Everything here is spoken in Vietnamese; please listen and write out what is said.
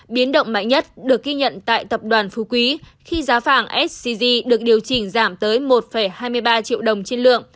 biến động mạnh nhất được ghi nhận tại tập đoàn phú quý khi giá vàng sgc được điều chỉnh giảm tới một hai mươi ba triệu đồng trên lượng